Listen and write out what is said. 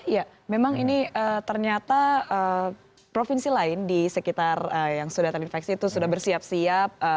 ya memang ini ternyata provinsi lain di sekitar yang sudah terinfeksi itu sudah bersiap siap